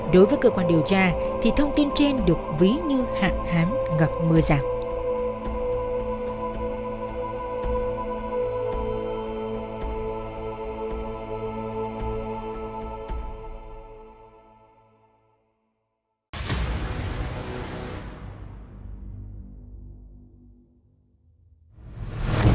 đối với cơ quan điều tra thì thông tin trên được ví như hạn hán gặp mưa giảm